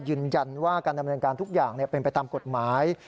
ยืนยันว่าการดำเนินการทุกอย่างเป็นไปตามกฎหมาย